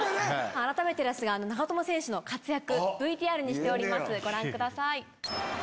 改めて長友選手の活躍ＶＴＲにしてますご覧ください。